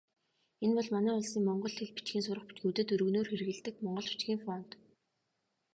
Энэ бол манай улсын монгол хэл, бичгийн сурах бичгүүдэд өргөнөөр хэрэглэдэг монгол бичгийн фонт.